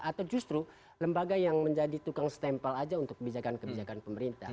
atau justru lembaga yang menjadi tukang stempel aja untuk kebijakan kebijakan pemerintah